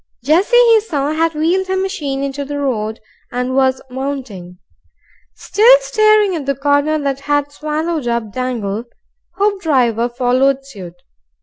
Jessie, he saw, had wheeled her machine into the road and was mounting. Still staring at the corner that had swallowed up Dangle, Hoopdriver followed suit.